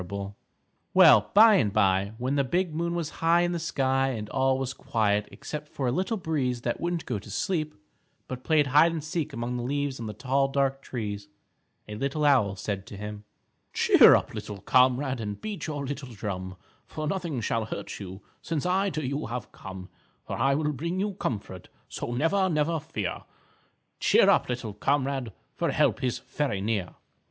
[Illustration: LITTLE SIR CAT TRIES TO COMFORT BO PEEP] Well, by and by, when the big moon was high in the sky, and all was quiet, except for a little breeze that wouldn't go to sleep, but played hide and seek among the leaves on the tall dark trees, a little owl said to him: "_Cheer up, little comrade, And beat your little drum, For nothing now shall hurt you Since I to you have come, For I will bring you comfort, So never, never fear. Cheer up, little comrade, For help is very near.